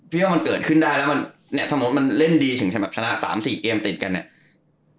พี่ว่ามันเกิดขึ้นได้แล้วมันเนี่ยสมมุติมันเล่นดีถึงสำหรับชนะ๓๔เกมติดกันเนี่ย